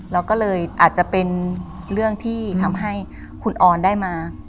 แล้วก็เลยอาจจะเป็นเรื่องที่ทำให้คุณออนได้มา